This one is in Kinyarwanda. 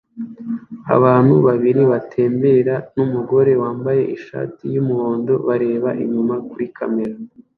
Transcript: Abantu babiri batembera numugore wambaye ishati yumuhondo bareba inyuma kuri kamera